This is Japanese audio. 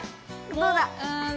どうだ？